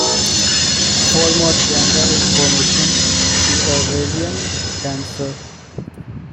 For more general information, see ovarian cancer.